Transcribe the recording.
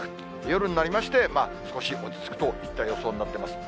夜になりまして、少し落ち着くといった予想になってます。